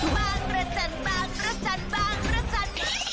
บางราชันบางราชันบางราชัน